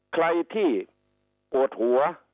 ใครที่ปวดหัว